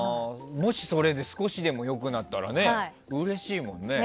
もしそれで少しでも良くなったらうれしいもんね。